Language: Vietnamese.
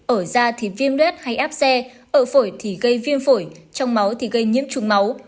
ở da thì viêm luet hay áp xe ở phổi thì gây viêm phổi trong máu thì gây nhiễm trùng máu